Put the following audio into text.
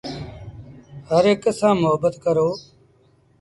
هرهڪ سآݩ مهبت ڪرو۔